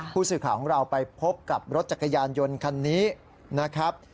ผู้สื่อข่าวของเราไปพบกับรถจักรยานยนต์คันนี้นะครับ